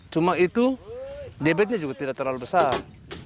cuma itu debetnya juga tidak terlalu besar